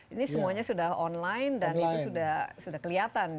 ini semuanya sudah online dan itu sudah kelihatan